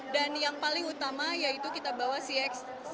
dan yang paling utama yaitu kita bawa cx enam ratus tiga puluh